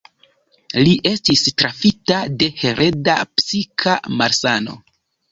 Li estis trafita de hereda psika malsano.